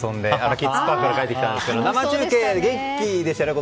キッズパークから帰ってきたんですけども生中継、子供たち元気でしたよね。